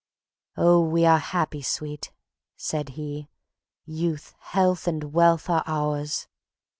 "Oh, we are happy, sweet," said he; "youth, health, and wealth are ours.